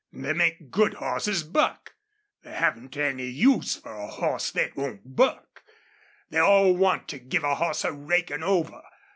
They make good hosses buck. They haven't any use for a hoss thet won't buck. They all want to give a hoss a rakin' over....